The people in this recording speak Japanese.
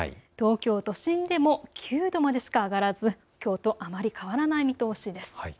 東京都心でも９度までしか上がらずきょうとあまり変わらない見通しです。